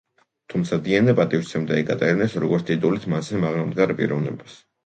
თუმცა დიანა პატივს სცემდა ეკატერინეს როგორც ტიტულით მასზე მაღლა მდგარ პიროვნებას.